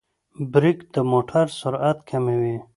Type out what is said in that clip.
برېک د موټر سرعت کموي.